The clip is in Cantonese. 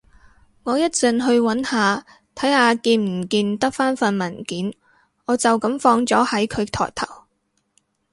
我一陣去搵下，睇下見唔見得返份文件，我就噉放咗喺佢枱頭